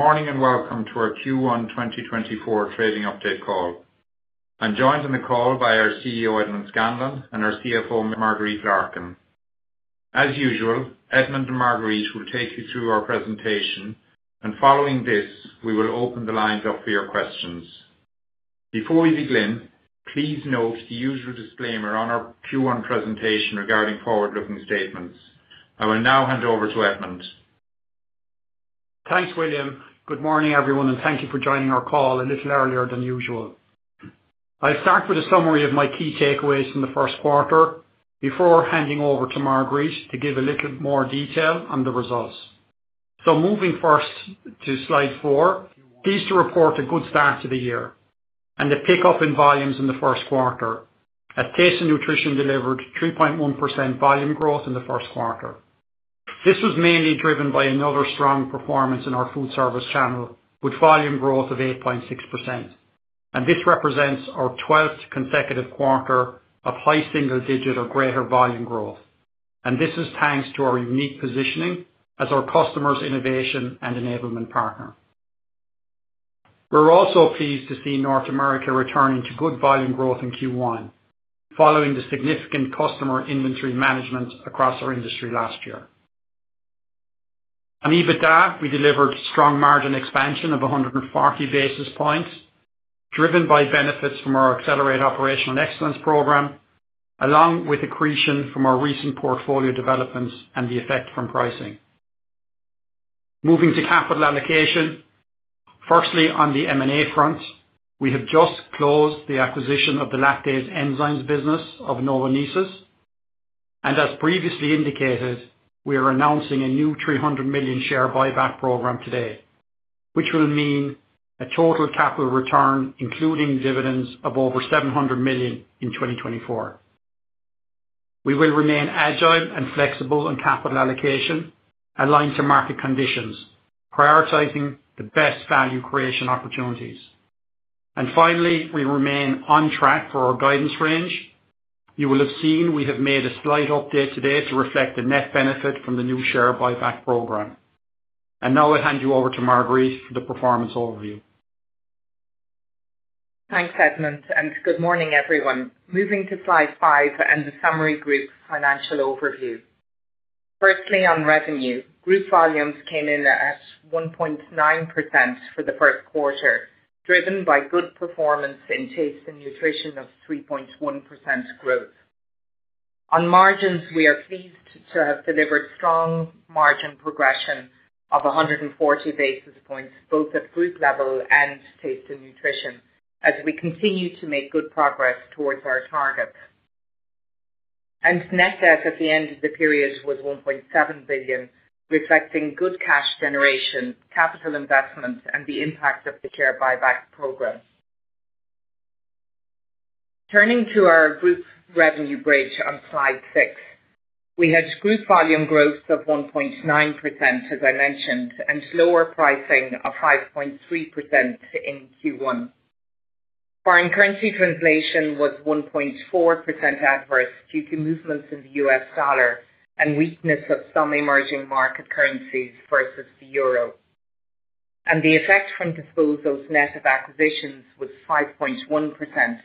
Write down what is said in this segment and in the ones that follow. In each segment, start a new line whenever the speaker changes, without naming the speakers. Morning and welcome to our Q1 2024 trading update call. I'm joined in the call by our CEO, Edmond Scanlon, and our CFO, Marguerite Larkin. As usual, Edmond and Marguerite will take you through our presentation, and following this, we will open the lines up for your questions. Before we begin, please note the usual disclaimer on our Q1 presentation regarding forward-looking statements. I will now hand over to Edmond.
Thanks, William. Good morning, everyone, and thank you for joining our call a little earlier than usual. I'll start with a summary of my key takeaways from the first quarter before handing over to Marguerite to give a little more detail on the results. Moving first to slide four, these two report a good start to the year and a pickup in volumes in the first quarter, as Taste & Nutrition delivered 3.1% volume growth in the first quarter. This was mainly driven by another strong performance in our food service channel with volume growth of 8.6%, and this represents our 12th consecutive quarter of high single-digit or greater volume growth. This is thanks to our unique positioning as our customer's innovation and enablement partner. We're also pleased to see North America returning to good volume growth in Q1 following the significant customer inventory management across our industry last year. EBITDA, we delivered strong margin expansion of 140 basis points, driven by benefits from our Accelerate Operational Excellence program, along with accretion from our recent portfolio developments and the effect from pricing. Moving to capital allocation, firstly, on the M&A front, we have just closed the acquisition of the lactase enzymes business of Novonesis. As previously indicated, we are announcing a new 300 million share buyback program today, which will mean a total capital return, including dividends, of over 700 million in 2024. We will remain agile and flexible in capital allocation, aligned to market conditions, prioritizing the best value creation opportunities. Finally, we remain on track for our guidance range. You will have seen we have made a slight update today to reflect the net benefit from the new share buyback program. Now I'll hand you over to Marguerite for the performance overview.
Thanks, Edmond, and good morning, everyone. Moving to slide five and the summary group financial overview. Firstly, on revenue, group volumes came in at 1.9% for the first quarter, driven by good performance in Taste & Nutrition of 3.1% growth. On margins, we are pleased to have delivered strong margin progression of 140 basis points, both at group level and Taste & Nutrition, as we continue to make good progress towards our target. Net debt at the end of the period was 1.7 billion, reflecting good cash generation, capital investments, and the impact of the share buyback program. Turning to our group revenue bridge on slide six, we had group volume growth of 1.9%, as I mentioned, and lower pricing of 5.3% in Q1. Foreign currency translation was 1.4% adverse due to movements in the U.S. dollar and weakness of some emerging market currencies versus the euro. The effect from disposals net of acquisitions was 5.1%,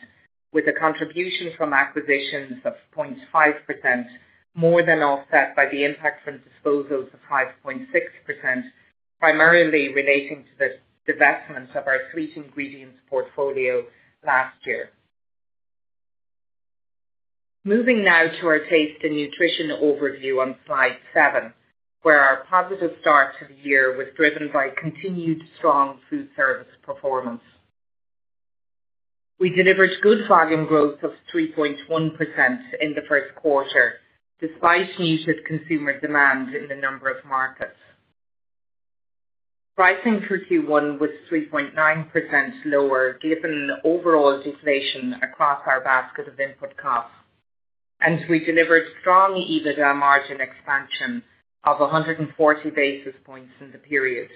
with a contribution from acquisitions of 0.5% more than offset by the impact from disposals of 5.6%, primarily relating to the divestments of our sweet ingredients portfolio last year. Moving now to our Taste & Nutrition overview on slide seven, where our positive start to the year was driven by continued strong food service performance. We delivered good volume growth of 3.1% in the first quarter, despite muted consumer demand in a number of markets. Pricing for Q1 was 3.9% lower given overall deflation across our basket of input costs. We delivered strong EBITDA margin expansion of 140 basis points in the period,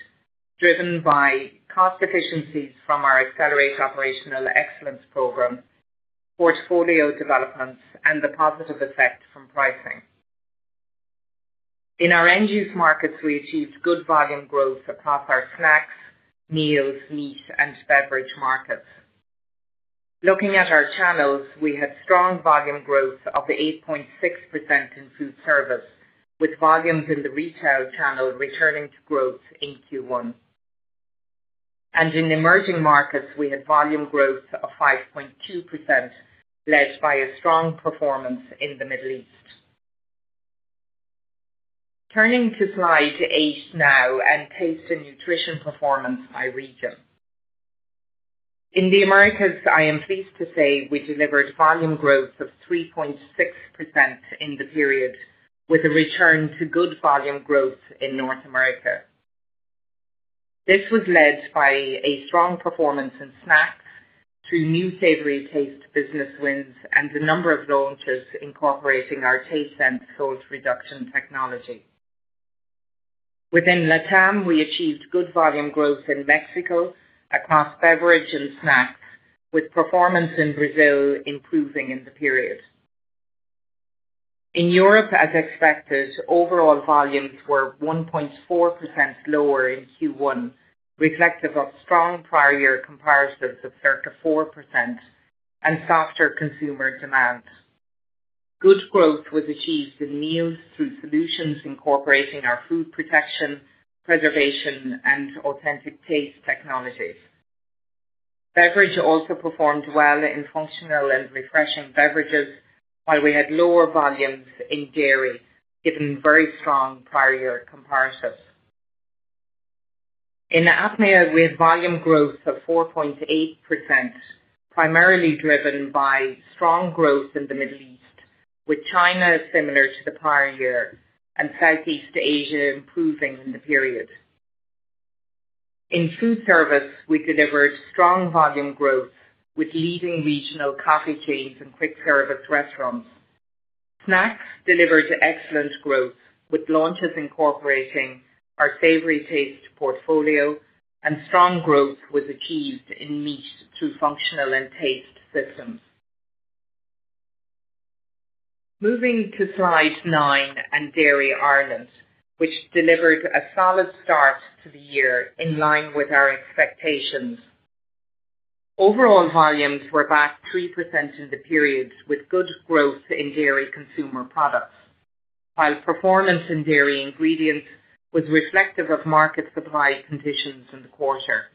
driven by cost efficiencies from our Accelerate Operational Excellence program, portfolio developments, and the positive effect from pricing. In our end-use markets, we achieved good volume growth across our snacks, meals, meat, and beverage markets. Looking at our channels, we had strong volume growth of 8.6% in food service, with volumes in the retail channel returning to growth in Q1. In emerging markets, we had volume growth of 5.2%, led by a strong performance in the Middle East. Turning to slide eight now and Taste & Nutrition performance by region. In the Americas, I am pleased to say we delivered volume growth of 3.6% in the period, with a return to good volume growth in North America. This was led by a strong performance in snacks through new savory taste business wins and a number of launches incorporating our Tastesense salt reduction technology. Within LATAM, we achieved good volume growth in Mexico across beverage and snacks, with performance in Brazil improving in the period. In Europe, as expected, overall volumes were 1.4% lower in Q1, reflective of strong prior year comparisons of circa 4% and softer consumer demand. Good growth was achieved in meals through solutions incorporating our food protection, preservation, and authentic taste technologies. Beverage also performed well in functional and refreshing beverages, while we had lower volumes in dairy, given very strong prior year comparisons. In APMEA, we had volume growth of 4.8%, primarily driven by strong growth in the Middle East, with China similar to the prior year and Southeast Asia improving in the period. In food service, we delivered strong volume growth, with leading regional coffee chains and quick service restaurants. Snacks delivered excellent growth, with launches incorporating our savory taste portfolio and strong growth was achieved in meat through Functional and Taste Systems. Moving to slide nine and Dairy Ireland, which delivered a solid start to the year in line with our expectations. Overall volumes were back 3% in the period, with good growth in dairy consumer products, while performance in dairy ingredients was reflective of market supply conditions in the quarter.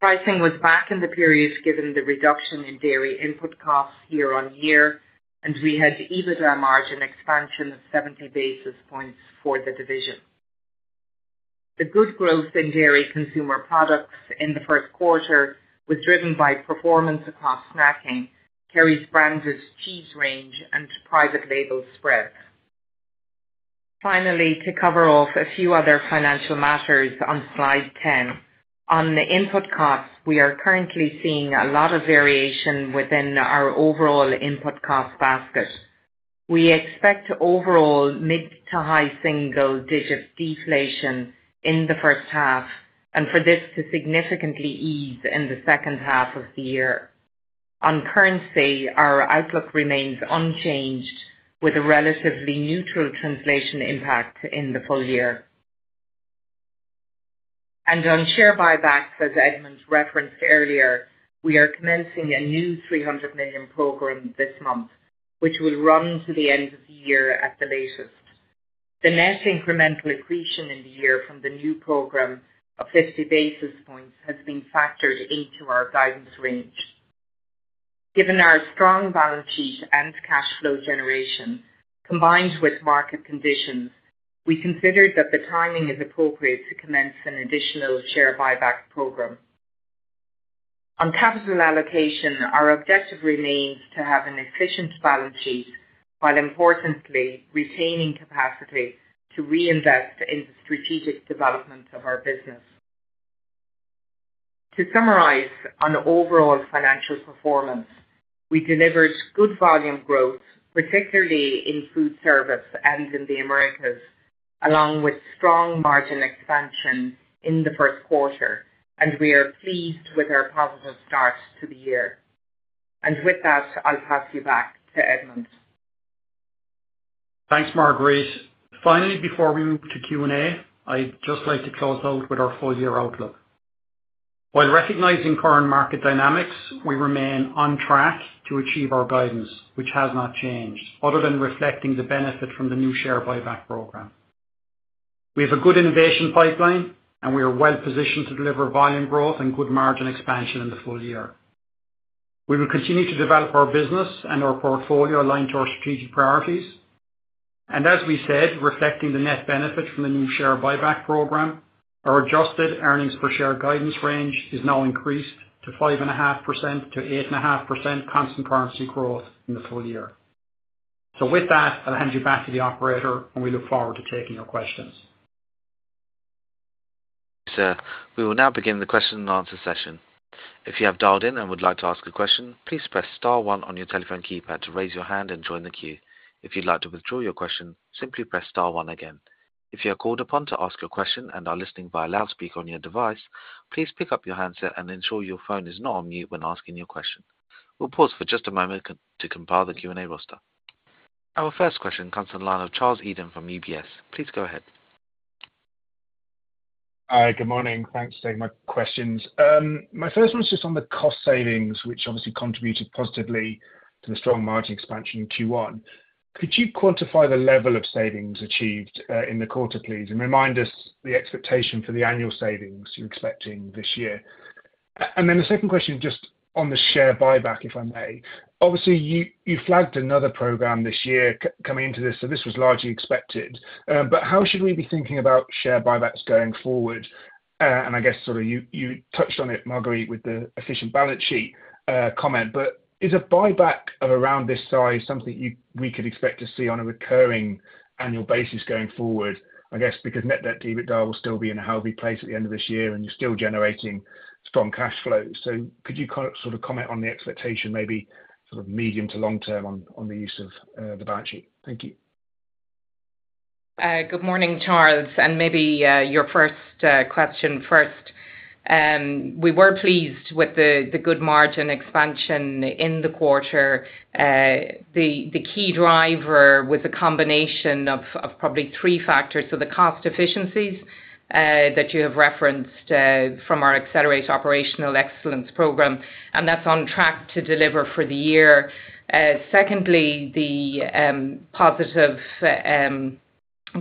Pricing was back in the period given the reduction in dairy input costs year-on-year, and we had EBITDA margin expansion of 70 basis points for the division. The good growth in dairy consumer products in the first quarter was driven by performance across snacking, Kerry's branded cheese range, and private label spread. Finally, to cover off a few other financial matters on slide 10, on the input costs, we are currently seeing a lot of variation within our overall input cost basket. We expect overall mid- to high single-digit deflation in the first half, and for this to significantly ease in the second half of the year. On currency, our outlook remains unchanged, with a relatively neutral translation impact in the full year. On share buybacks, as Edmond referenced earlier, we are commencing a new 300 million program this month, which will run to the end of the year at the latest. The net incremental accretion in the year from the new program of 50 basis points has been factored into our guidance range. Given our strong balance sheet and cash flow generation, combined with market conditions, we considered that the timing is appropriate to commence an additional share buyback program. On capital allocation, our objective remains to have an efficient balance sheet while, importantly, retaining capacity to reinvest in the strategic development of our business. To summarize on overall financial performance, we delivered good volume growth, particularly in food service and in the Americas, along with strong margin expansion in the first quarter, and we are pleased with our positive start to the year. With that, I'll pass you back to Edmond.
Thanks, Marguerite. Finally, before we move to Q&A, I'd just like to close out with our full-year outlook. While recognizing current market dynamics, we remain on track to achieve our guidance, which has not changed, other than reflecting the benefit from the new share buyback program. We have a good innovation pipeline, and we are well positioned to deliver volume growth and good margin expansion in the full year. We will continue to develop our business and our portfolio aligned to our strategic priorities. As we said, reflecting the net benefit from the new share buyback program, our adjusted earnings per share guidance range is now increased to 5.5%-8.5% constant currency growth in the full year. With that, I'll hand you back to the operator, and we look forward to taking your questions.
Sir, we will now begin the question and answer session. If you have dialed in and would like to ask a question, please press star one on your telephone keypad to raise your hand and join the queue. If you'd like to withdraw your question, simply press star one again. If you are called upon to ask your question and are listening via loudspeaker on your device, please pick up your handset and ensure your phone is not on mute when asking your question. We'll pause for just a moment to compile the Q&A roster. Our first question comes in line of Charles Eden from UBS. Please go ahead.
Hi, good morning. Thanks for taking my questions. My first one's just on the cost savings, which obviously contributed positively to the strong margin expansion in Q1. Could you quantify the level of savings achieved in the quarter, please, and remind us the expectation for the annual savings you're expecting this year? And then the second question, just on the share buyback, if I may. Obviously, you flagged another program this year coming into this, so this was largely expected. But how should we be thinking about share buybacks going forward? And I guess sort of you touched on it, Marguerite, with the efficient balance sheet comment. But is a buyback of around this size something we could expect to see on a recurring annual basis going forward? I guess because Net Debt EBITDA will still be in a healthy place at the end of this year, and you're still generating strong cash flows. So could you sort of comment on the expectation, maybe sort of medium to long term, on the use of the balance sheet? Thank you.
Good morning, Charles. And maybe your first question first. We were pleased with the good margin expansion in the quarter. The key driver was a combination of probably three factors. So the cost efficiencies that you have referenced from our Accelerate Operational Excellence program, and that's on track to deliver for the year. Secondly, the positive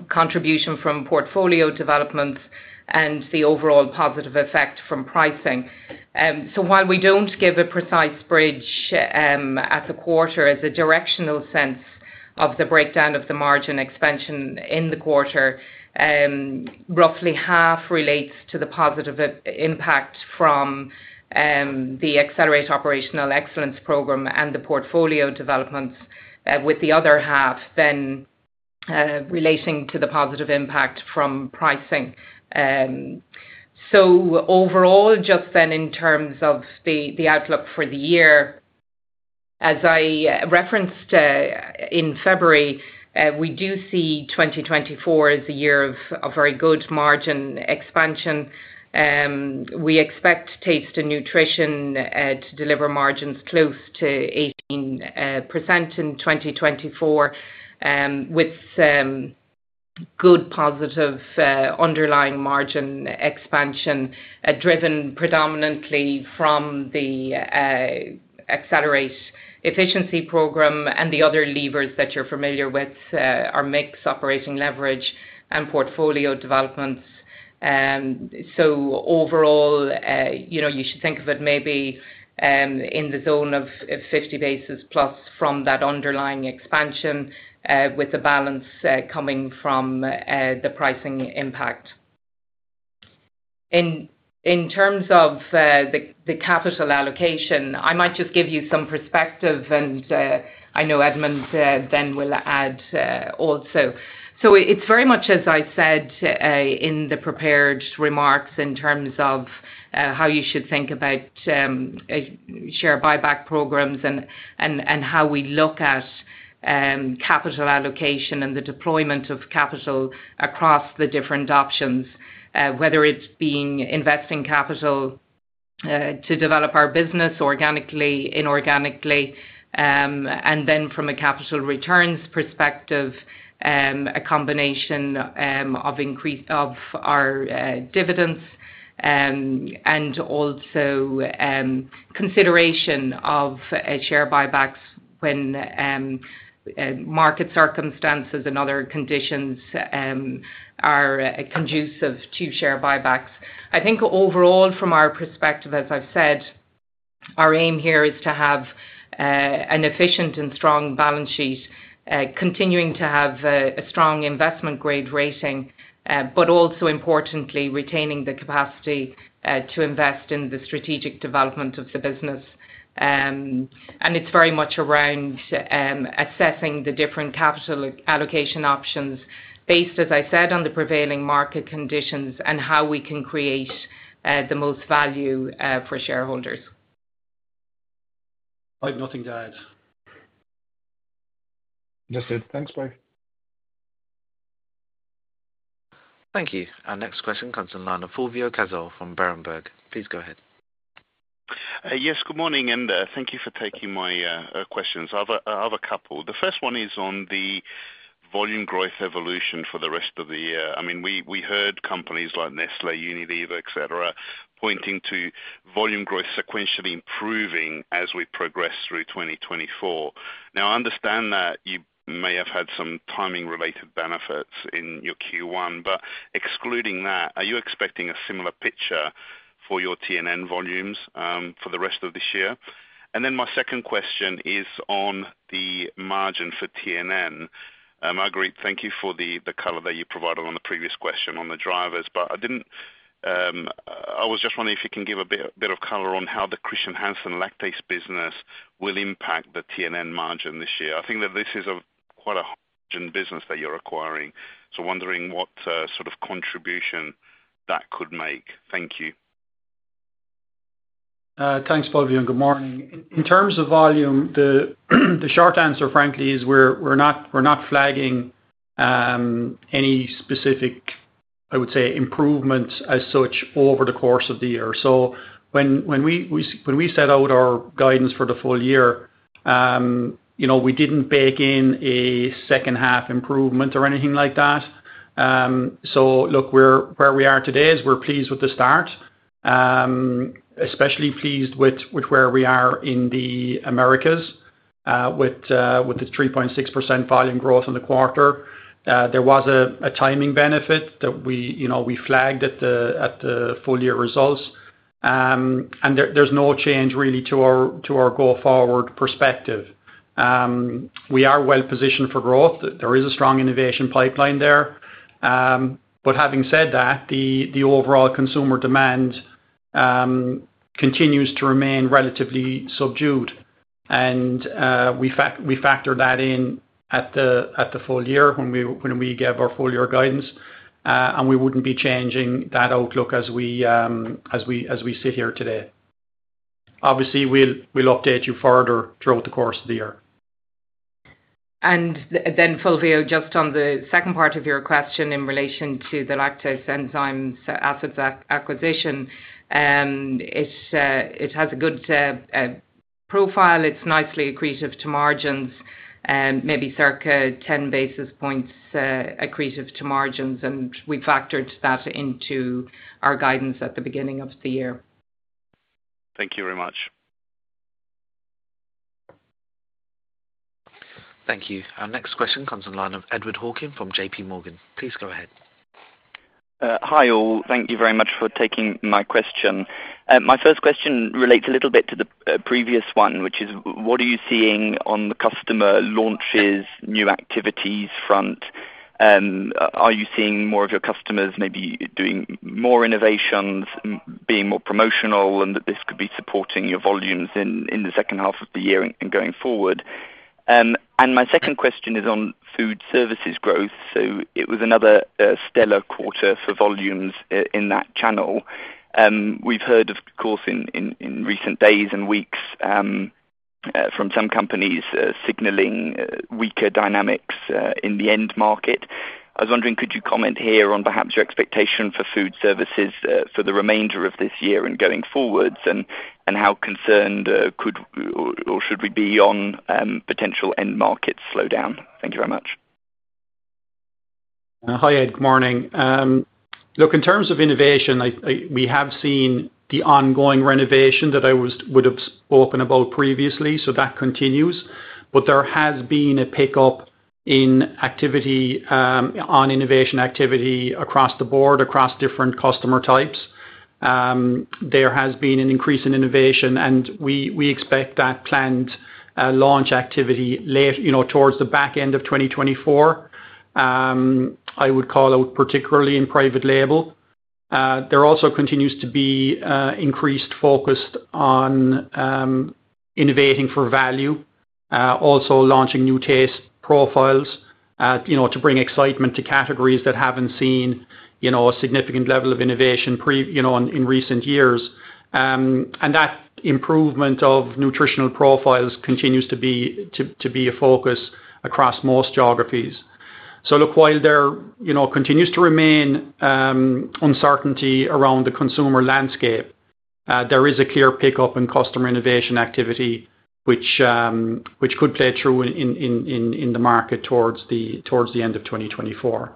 contribution from portfolio developments and the overall positive effect from pricing. So while we don't give a precise bridge at the quarter as a directional sense of the breakdown of the margin expansion in the quarter, roughly half relates to the positive impact from the Accelerate Operational Excellence program and the portfolio developments, with the other half then relating to the positive impact from pricing. So overall, just then in terms of the outlook for the year, as I referenced in February, we do see 2024 as a year of very good margin expansion. We expect Taste & Nutrition to deliver margins close to 18% in 2024, with good positive underlying margin expansion driven predominantly from the Accelerate Operational Excellence program and the other levers that you're familiar with, our mix operating leverage and portfolio developments. So overall, you should think of it maybe in the zone of 50 basis points plus from that underlying expansion, with the balance coming from the pricing impact. In terms of the capital allocation, I might just give you some perspective, and I know Edmond then will add also. So it's very much, as I said in the prepared remarks, in terms of how you should think about share buyback programs and how we look at capital allocation and the deployment of capital across the different options, whether it's being investing capital to develop our business organically, inorganically, and then from a capital returns perspective, a combination of our dividends and also consideration of share buybacks when market circumstances and other conditions are conducive to share buybacks. I think overall, from our perspective, as I've said, our aim here is to have an efficient and strong balance sheet, continuing to have a strong investment-grade rating, but also importantly, retaining the capacity to invest in the strategic development of the business. It's very much around assessing the different capital allocation options based, as I said, on the prevailing market conditions and how we can create the most value for shareholders.
I have nothing to add.
Understood. Thanks, both.
Thank you. Our next question comes from the line of Fulvio Cazzol from Berenberg. Please go ahead.
Yes, good morning, Inda. Thank you for taking my questions. I have a couple. The first one is on the volume growth evolution for the rest of the year. I mean, we heard companies like Nestlé, Unilever, etc., pointing to volume growth sequentially improving as we progress through 2024. Now, I understand that you may have had some timing-related benefits in your Q1, but excluding that, are you expecting a similar picture for your T&N volumes for the rest of this year? And then my second question is on the margin for T&N. Marguerite, thank you for the color that you provided on the previous question on the drivers, but I was just wondering if you can give a bit of color on how the Chr. Hansen lactase business will impact the T&N margin this year. I think that this is quite a hygiene business that you're acquiring, so wondering what sort of contribution that could make. Thank you.
Thanks, Fulvio. Good morning. In terms of volume, the short answer, frankly, is we're not flagging any specific, I would say, improvement as such over the course of the year. So when we set out our guidance for the full year, we didn't bake in a second-half improvement or anything like that. So look, where we are today is we're pleased with the start, especially pleased with where we are in the Americas with the 3.6% volume growth in the quarter. There was a timing benefit that we flagged at the full-year results, and there's no change really to our go forward perspective. We are well positioned for growth. There is a strong innovation pipeline there. But having said that, the overall consumer demand continues to remain relatively subdued, and we factor that in at the full year when we give our full-year guidance, and we wouldn't be changing that outlook as we sit here today. Obviously, we'll update you further throughout the course of the year.
And then, Fulvio, just on the second part of your question in relation to the lactase enzymes acquisition, it has a good profile. It's nicely accretive to margins, maybe circa 10 basis points accretive to margins, and we factored that into our guidance at the beginning of the year.
Thank you very much.
Thank you. Our next question comes from the line of Edward Hockin from JPMorgan. Please go ahead.
Hi all. Thank you very much for taking my question. My first question relates a little bit to the previous one, which is, what are you seeing on the customer launches new activities front? Are you seeing more of your customers maybe doing more innovations, being more promotional, and that this could be supporting your volumes in the second half of the year and going forward? And my second question is on food services growth. So it was another stellar quarter for volumes in that channel. We've heard, of course, in recent days and weeks from some companies signaling weaker dynamics in the end market. I was wondering, could you comment here on perhaps your expectation for food services for the remainder of this year and going forwards, and how concerned could or should we be on potential end market slowdown? Thank you very much.
Hi Ed. Good morning. Look, in terms of innovation, we have seen the ongoing renovation that I would have spoken about previously, so that continues. But there has been a pickup on innovation activity across the board, across different customer types. There has been an increase in innovation, and we expect that planned launch activity towards the back end of 2024, I would call out particularly in private label. There also continues to be increased focus on innovating for value, also launching new taste profiles to bring excitement to categories that haven't seen a significant level of innovation in recent years. And that improvement of nutritional profiles continues to be a focus across most geographies. So look, while there continues to remain uncertainty around the consumer landscape, there is a clear pickup in customer innovation activity, which could play true in the market towards the end of 2024.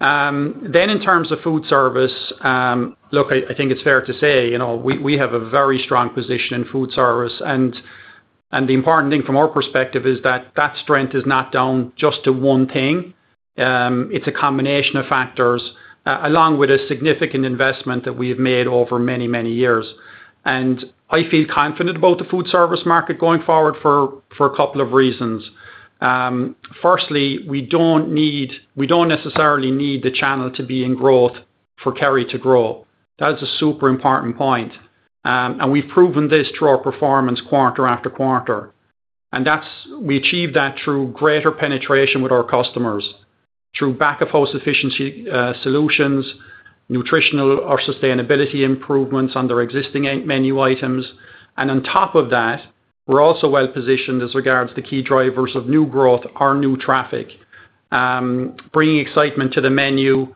Then in terms of food service, look, I think it's fair to say we have a very strong position in food service. And the important thing from our perspective is that that strength is not down just to one thing. It's a combination of factors along with a significant investment that we have made over many, many years. And I feel confident about the food service market going forward for a couple of reasons. Firstly, we don't necessarily need the channel to be in growth for Kerry to grow. That is a super important point. And we've proven this through our performance quarter after quarter. And we achieved that through greater penetration with our customers, through back-of-house efficiency solutions, nutritional or sustainability improvements on their existing menu items. On top of that, we're also well positioned as regards to key drivers of new growth, our new traffic, bringing excitement to the menu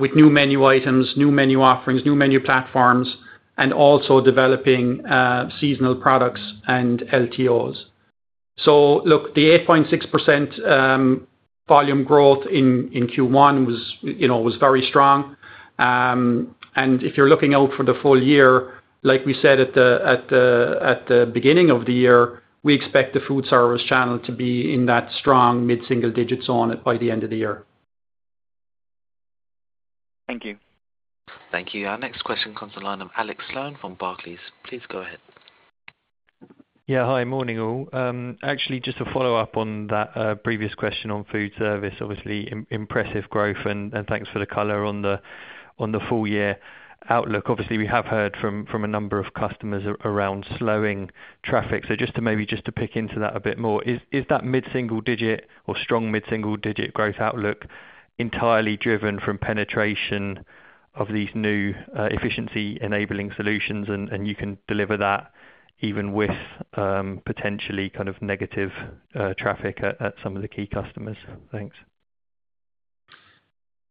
with new menu items, new menu offerings, new menu platforms, and also developing seasonal products and LTOs. So look, the 8.6% volume growth in Q1 was very strong. If you're looking out for the full year, like we said at the beginning of the year, we expect the food service channel to be in that strong mid-single digits on it by the end of the year.
Thank you.
Thank you. Our next question comes in line of Alex Sloane from Barclays. Please go ahead.
Yeah. Hi. Morning all. Actually, just a follow-up on that previous question on food service. Obviously, impressive growth, and thanks for the color on the full-year outlook. Obviously, we have heard from a number of customers around slowing traffic. So just to maybe pick into that a bit more, is that mid-single digit or strong mid-single digit growth outlook entirely driven from penetration of these new efficiency-enabling solutions, and you can deliver that even with potentially kind of negative traffic at some of the key customers? Thanks.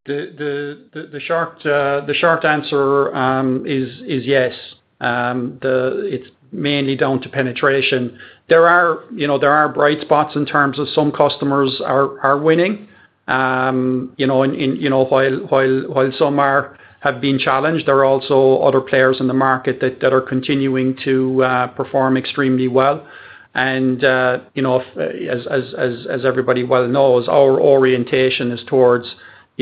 The short answer is yes. It's mainly down to penetration. There are bright spots in terms of some customers are winning. While some have been challenged, there are also other players in the market that are continuing to perform extremely well. As everybody well knows, our orientation is towards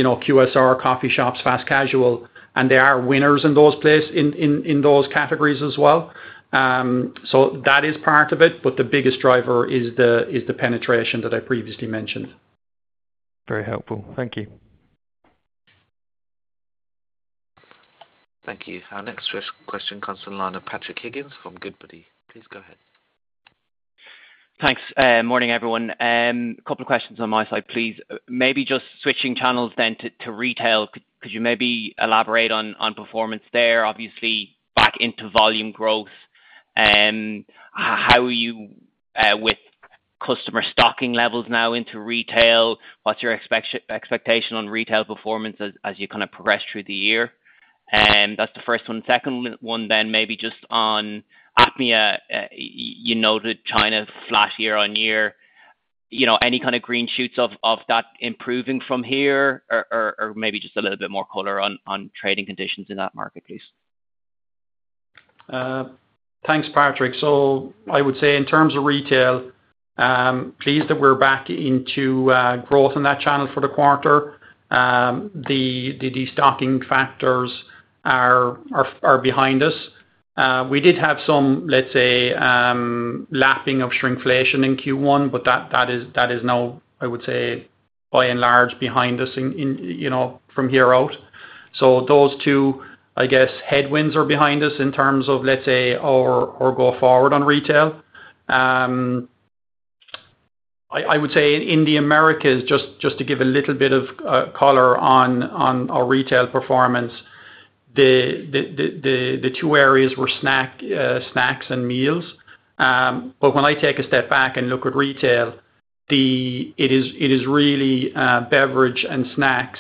QSR, coffee shops, fast casual, and they are winners in those categories as well. That is part of it, but the biggest driver is the penetration that I previously mentioned.
Very helpful. Thank you.
Thank you. Our next question comes in line of Patrick Higgins from Goodbody. Please go ahead.
Thanks. Morning, everyone. A couple of questions on my side, please. Maybe just switching channels then to retail. Could you maybe elaborate on performance there? Obviously, back into volume growth. How are you with customer stocking levels now into retail? What's your expectation on retail performance as you kind of progress through the year? That's the first one. Second one then maybe just on APMEA. You noted China flat year-on-year. Any kind of green shoots of that improving from here, or maybe just a little bit more color on trading conditions in that market, please?
Thanks, Patrick. So I would say in terms of retail, pleased that we're back into growth in that channel for the quarter. The destocking factors are behind us. We did have some, let's say, lapping of shrinkflation in Q1, but that is now, I would say, by and large behind us from here out. So those two, I guess, headwinds are behind us in terms of, let's say, our go forward on retail. I would say in the Americas, just to give a little bit of color on our retail performance, the two areas were snacks and meals. But when I take a step back and look at retail, it is really beverage and snacks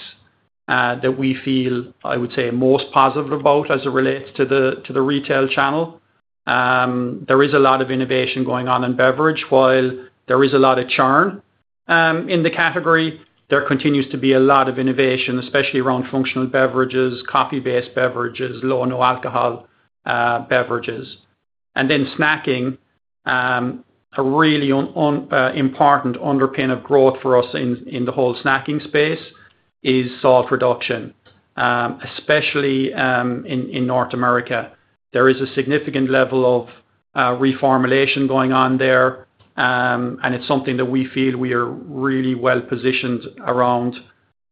that we feel, I would say, most positive about as it relates to the retail channel. There is a lot of innovation going on in beverage. While there is a lot of churn in the category, there continues to be a lot of innovation, especially around functional beverages, coffee-based beverages, low and no-alcohol beverages. And then snacking, a really important underpin of growth for us in the whole snacking space is salt reduction, especially in North America. There is a significant level of reformulation going on there, and it's something that we feel we are really well positioned around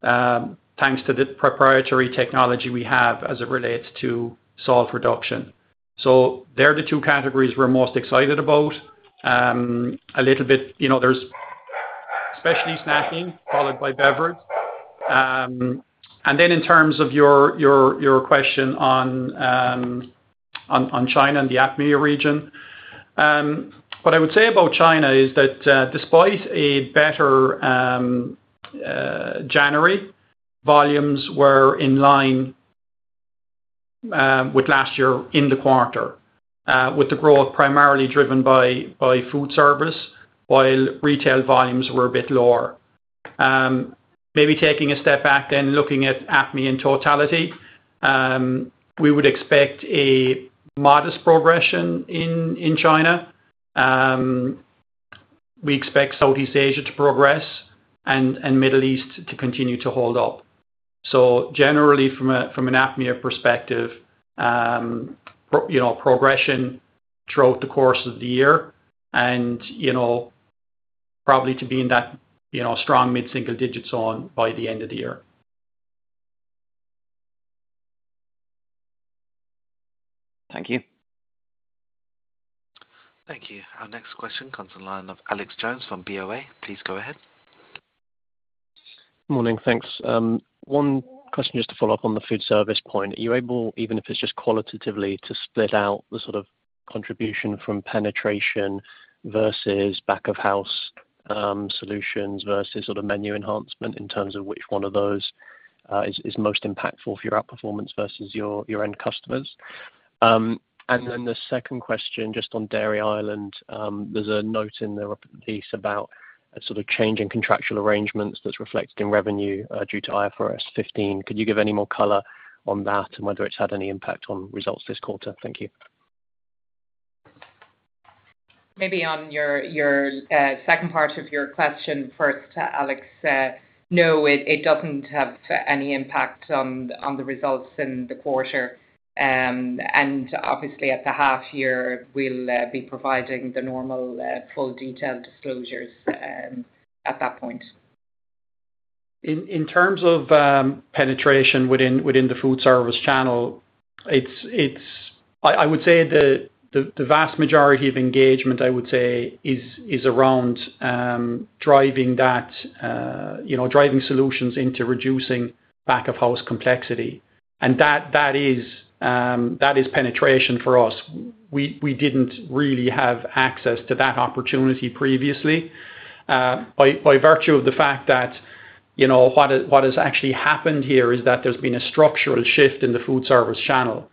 thanks to the proprietary technology we have as it relates to salt reduction. So they're the two categories we're most excited about. A little bit, there's especially snacking followed by beverage. Then in terms of your question on China and the APMEA region, what I would say about China is that despite a better January, volumes were in line with last year in the quarter with the growth primarily driven by food service, while retail volumes were a bit lower. Maybe taking a step back then looking at APMEA in totality, we would expect a modest progression in China. We expect Southeast Asia to progress and Middle East to continue to hold up. So generally, from an APMEA perspective, progression throughout the course of the year and probably to be in that strong mid-single digits on by the end of the year.
Thank you.
Thank you. Our next question comes from the line of Alex Jones from BOA. Please go ahead.
Morning. Thanks. One question just to follow up on the food service point. Are you able, even if it's just qualitatively, to split out the sort of contribution from penetration versus back-of-house solutions versus sort of menu enhancement in terms of which one of those is most impactful for your APMEA performance versus your end customers? And then the second question just on Dairy Ireland, there's a note in the piece about a sort of change in contractual arrangements that's reflected in revenue due to IFRS 15. Could you give any more color on that and whether it's had any impact on results this quarter? Thank you.
Maybe on your second part of your question, first, Alex, no, it doesn't have any impact on the results in the quarter. Obviously, at the half-year, we'll be providing the normal full detailed disclosures at that point.
In terms of penetration within the food service channel, I would say the vast majority of engagement, I would say, is around driving solutions into reducing back-of-house complexity. And that is penetration for us. We didn't really have access to that opportunity previously. By virtue of the fact that what has actually happened here is that there's been a structural shift in the food service channel.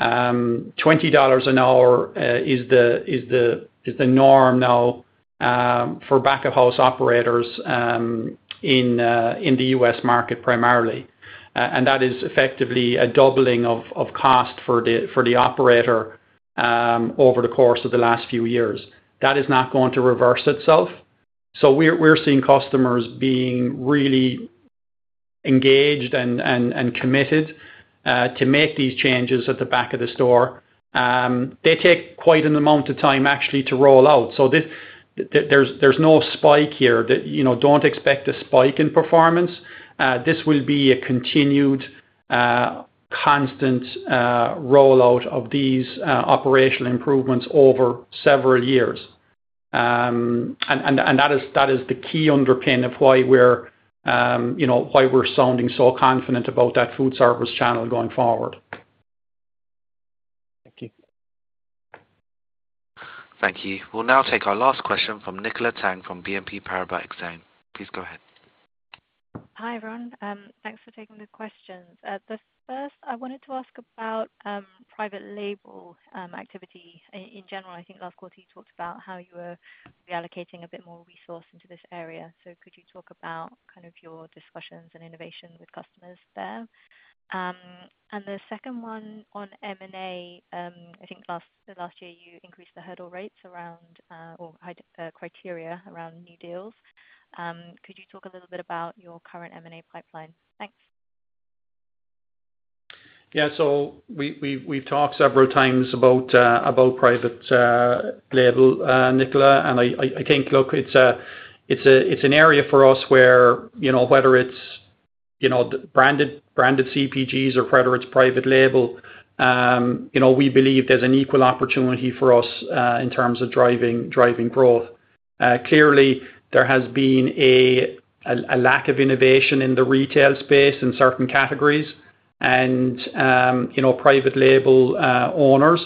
$20 an hour is the norm now for back-of-house operators in the U.S. market primarily. And that is effectively a doubling of cost for the operator over the course of the last few years. That is not going to reverse itself. So we're seeing customers being really engaged and committed to make these changes at the back of the store. They take quite an amount of time, actually, to roll out. So there's no spike here. Don't expect a spike in performance. This will be a continued, constant rollout of these operational improvements over several years. That is the key underpin of why we're sounding so confident about that food service channel going forward.
Thank you.
Thank you. We'll now take our last question from Nicola Tang from BNP Paribas Exane. Please go ahead.
Hi, everyone. Thanks for taking the questions. The first, I wanted to ask about Private Label activity in general. I think last quarter, you talked about how you were reallocating a bit more resource into this area. So could you talk about kind of your discussions and innovation with customers there? And the second one on M&A, I think last year, you increased the hurdle rates around or criteria around new deals. Could you talk a little bit about your current M&A pipeline? Thanks.
Yeah. So we've talked several times about private label, Nicola. And I think, look, it's an area for us where whether it's branded CPGs or whether it's private label, we believe there's an equal opportunity for us in terms of driving growth. Clearly, there has been a lack of innovation in the retail space in certain categories. And private label owners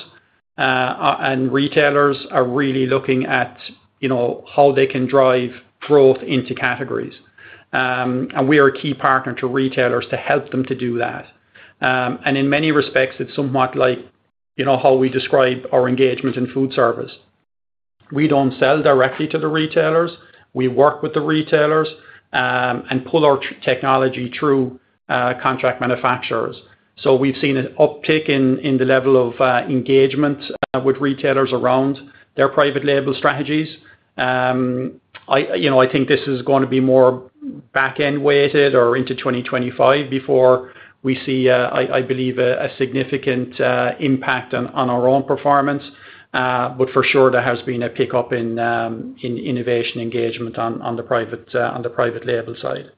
and retailers are really looking at how they can drive growth into categories. And we are a key partner to retailers to help them to do that. And in many respects, it's somewhat like how we describe our engagement in food service. We don't sell directly to the retailers. We work with the retailers and pull our technology through contract manufacturers. So we've seen an uptick in the level of engagement with retailers around their private label strategies. I think this is going to be more back-end weighted or into 2025 before we see, I believe, a significant impact on our own performance. But for sure, there has been a pickup in innovation engagement on the private label side.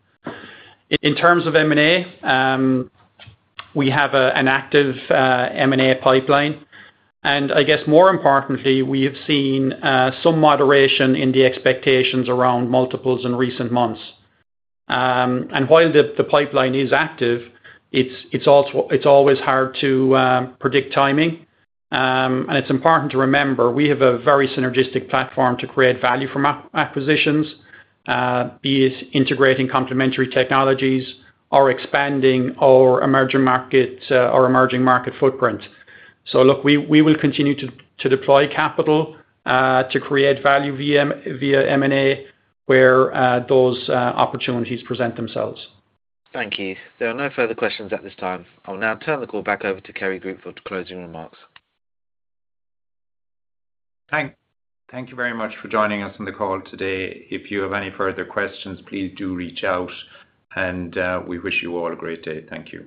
In terms of M&A, we have an active M&A pipeline. And I guess, more importantly, we have seen some moderation in the expectations around multiples in recent months. And while the pipeline is active, it's always hard to predict timing. And it's important to remember, we have a very synergistic platform to create value from acquisitions, be it integrating complementary technologies or expanding our emerging market footprint. So look, we will continue to deploy capital to create value via M&A where those opportunities present themselves.
Thank you. There are no further questions at this time. I'll now turn the call back over to Kerry Group for closing remarks.
Thank you very much for joining us on the call today. If you have any further questions, please do reach out. We wish you all a great day. Thank you.